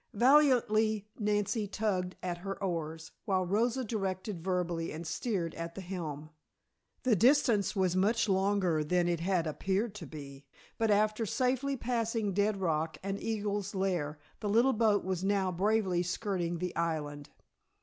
Valiantly Nancy tugged at her oars, while Rosa directed verbally and steered at the helm. The distance was much longer than it had appeared to be, but after safely passing Dead Rock and Eagles' Lair, the little boat was now bravely skirting the island.